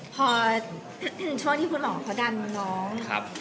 พอช่วงที่คุณหมอเขาดันน้อง